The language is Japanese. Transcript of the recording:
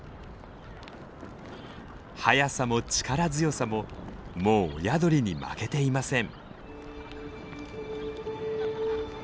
速さも力強さももう親鳥に負けていません。